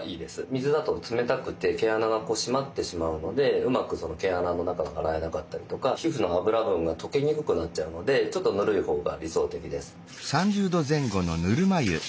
水だと冷たくて毛穴が締まってしまうのでうまく毛穴の中が洗えなかったりとか皮膚の脂分が溶けにくくなっちゃうのでちょっとぬるい方が理想的です。